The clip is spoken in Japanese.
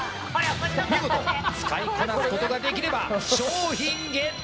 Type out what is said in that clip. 見事使いこなすことができれば商品ゲット！